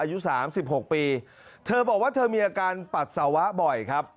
อายุสามสิบหกปีเธอบอกว่าเธอมีอาการปัสสาวะบ่อยครับ